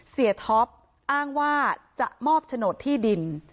ท็อปอ้างว่าจะมอบโฉนดที่ดิน